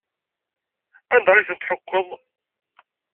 Anda ay tent-tḥukkeḍ?